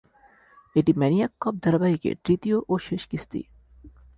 এটি "Maniac Cop" ধারাবাহিকের তৃতীয় ও শেষ কিস্তি।